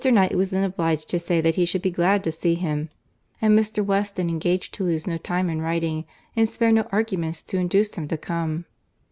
Knightley was then obliged to say that he should be glad to see him; and Mr. Weston engaged to lose no time in writing, and spare no arguments to induce him to come.